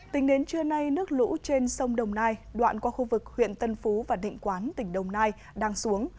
tính đến trưa nay nước lũ trên sông đồng nai đoạn qua khu vực huyện tân phú và định quán tỉnh đồng nai đang xuống